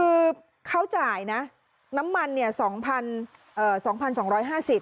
คือเขาจ่ายนะน้ำมันเนี่ยสองพันเอ่อสองพันสองสองร้อยห้าสิบ